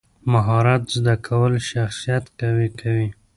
مهارت زده کول شخصیت قوي کوي.